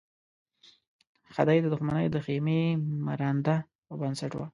خدۍ د دښمنۍ د خېمې مرانده او بنسټ وه.